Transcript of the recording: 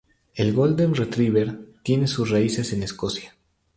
El golden retriever tiene sus raíces en Escocia.